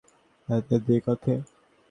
এই কর্ম-বিজ্ঞানের আরও অনেক দিক আছে।